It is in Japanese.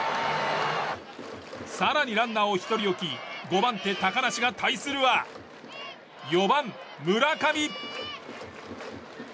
更にランナーを１人置き５番手、高梨が対するは４番、村上。